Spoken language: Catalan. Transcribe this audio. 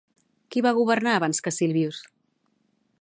Qui va governar abans que Silvius?